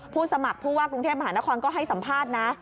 สมัครผู้ว่ากรุงเทพมหานครก็ให้สัมภาษณ์นะ